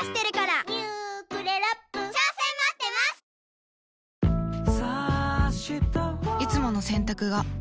「ビオレ」いつもの洗濯が